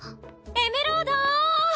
エメロード！